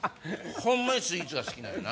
ホンマにスイーツが好きなんやな。